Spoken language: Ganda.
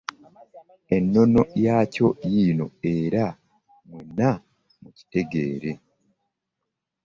Ennono yaakyo yiino era mwenna mukitegeere.